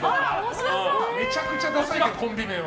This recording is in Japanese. めちゃくちゃダサいけどコンビ名が。